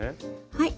はい。